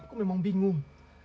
aku memang bingung